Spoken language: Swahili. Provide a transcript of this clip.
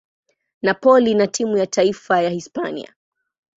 Napoli na timu ya taifa ya Hispania.